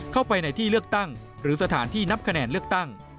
เข้าไปในที่เลือกตั้งหรือสถานที่นับคะแนนเลือกตั้ง